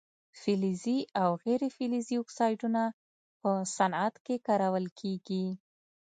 فلزي او غیر فلزي اکسایدونه په صنعت کې کارول کیږي.